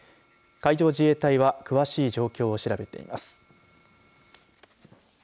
海上自衛隊は詳しい状況を調べています。